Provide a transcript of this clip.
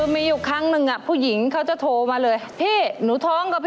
มีอยู่ครั้งนึงผู้หญิงเขาจะโทรมาละ